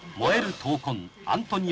闘魂アントニオ